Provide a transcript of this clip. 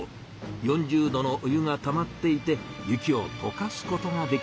４０℃のお湯がたまっていて雪を溶かすことができるんです。